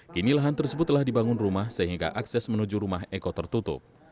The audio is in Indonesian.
kini lahan tersebut telah dibangun rumah sehingga akses menuju rumah eko tertutup